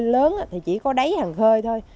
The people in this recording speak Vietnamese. nói chung ghe lớn thì chỉ có đáy hàng khơi thôi